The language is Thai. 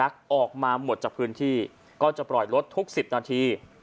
ก็จะปล่อยรถทุก๑๐นาที